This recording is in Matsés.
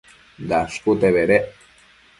Dashcute bedec